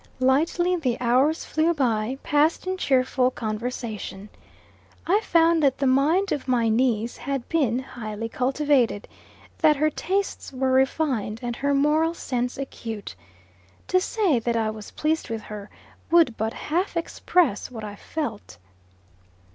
Lightly the hours flew by, passed in cheerful conversation. I found that the mind of my niece had been highly cultivated; that her tastes were refined, and her moral sense acute. To say that I was pleased with her, would but half express what I felt.